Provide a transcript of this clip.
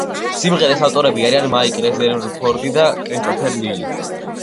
სიმღერის ავტორები არიან მაიკ რეზერფორდი და კრისტოფერ ნილი.